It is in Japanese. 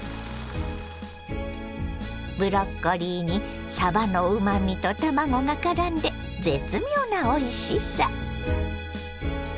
ブロッコリーにさばのうまみと卵がからんで絶妙なおいしさ。